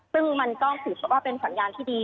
ซึ่งมันก็ถือว่าเป็นสัญญาณที่ดี